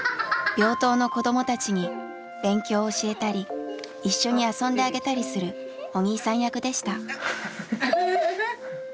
病棟の子どもたちに勉強を教えたり一緒に遊んであげたりするお兄さん役でした。